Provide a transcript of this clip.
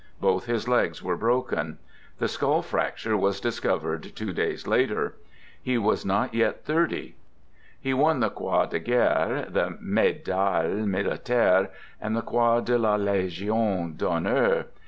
Both his legs were broken. The skull frac ture was discovered two days later. He was not yet thirty. He won the Croix de Guerre, the Medaille Militaire, and the Croix de la Legion d'Honneur.